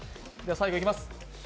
最後にいきます。